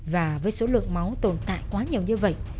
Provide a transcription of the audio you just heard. và với số lượng máu tồn tại quá nhiều như vậy